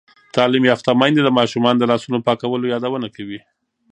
تعلیم یافته میندې د ماشومانو د لاسونو پاکولو یادونه کوي.